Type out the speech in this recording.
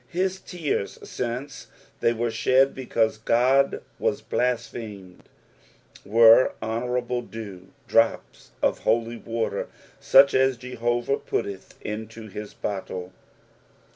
His tears, aiuce they' were shed because God was blasphemed, were "honourable dew," drops of holy water, auch as Jehovah putteth into hia bottle.